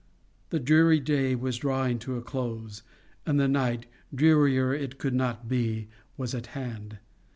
The dreary day was drawing to a close, and the night, drearier it could not be, was at hand.